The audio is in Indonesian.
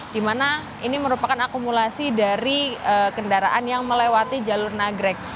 di mana ini merupakan akumulasi dari kendaraan yang melewati jalur nagrek